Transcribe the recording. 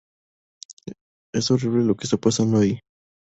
Es horrible lo que está pasando ahí.